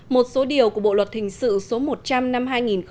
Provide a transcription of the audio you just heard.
một số điều của bộ luật hình sự số một trăm linh năm hai nghìn một mươi năm